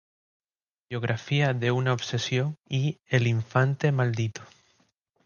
Biografía de una obsesión" y "El infante maldito.